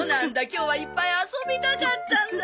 今日はいっぱい遊びたかったんだ。